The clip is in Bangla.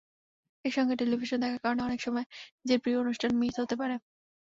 একসঙ্গে টেলিভিশন দেখার কারণে অনেক সময় নিজের প্রিয় অনুষ্ঠান মিস হতে পারে।